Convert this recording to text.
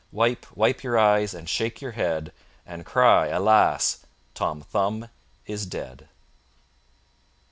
Wipe, wipe your eyes, and shake your head And cry,—Alas! Tom Thumb is dead!